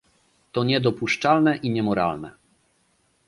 To niedopuszczalne i niemoralne